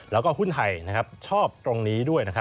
แล้วก็หุ้นไทยชอบตรงนี้ด้วย